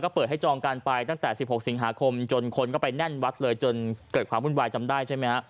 เปิดให้จองกันไปตั้งแต่๑๖สิงหาคมจนคนก็ไปแน่นวัดเลยจนเกิดความวุ่นวายจำได้ใช่ไหมฮะ